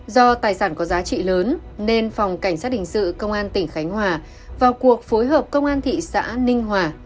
do tài sản có giá trị lớn nên phòng cảnh sát hình sự công an tỉnh khánh hòa vào cuộc phối hợp công an thị xã ninh hòa